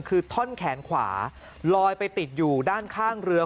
คือท่อนแขนขวาลอยไปติดอยู่ด้านข้างเรือ